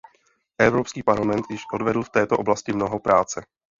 Evropský parlament již odvedl v této oblasti mnoho práce.